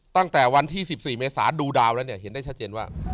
ตั้งแต่วันที่๑๔เมษาดูดาวแล้วเนี่ยเห็นได้ชัดเจนว่า